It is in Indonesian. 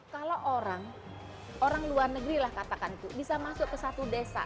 kalau orang orang luar negeri lah katakan itu bisa masuk ke satu desa